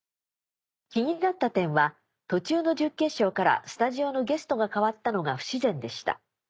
気になった点は途中の準決勝からスタジオのゲストが変わったのが不自然でした。